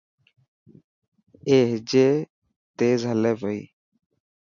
اي هجي تيز هلي پئي.